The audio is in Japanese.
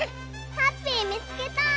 ハッピーみつけた！